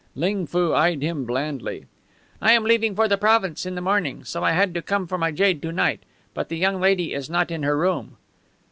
Ling Foo eyed him blandly. "I am leaving for the province in the morning, so I had to come for my jade to night. But the young lady is not in her room."